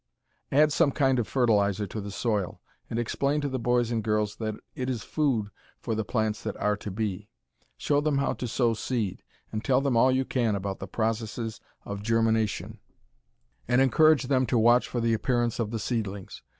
Add some kind of fertilizer to the soil, and explain to the boys and girls that it is food for the plants that are to be. Show them how to sow seed, and tell them all you can about the processes of germination, and encourage them to watch for the appearance of the seedlings.